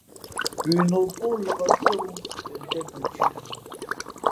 Pʉnok pók nlak siēwū tα tēn mα thʉ̄.